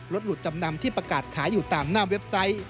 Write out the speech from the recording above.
หลุดจำนำที่ประกาศขายอยู่ต่างหน้าเว็บไซต์